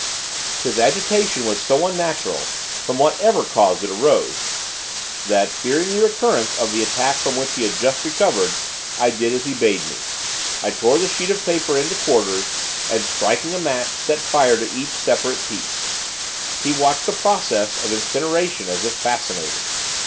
His agitation was so unnatural, from whatever cause it arose! that, fearing the recurrence of the attack from which he had just recovered, I did as he bade me. I tore the sheet of paper into quarters, and, striking a match, set fire to each separate piece. He watched the process of incineration as if fascinated.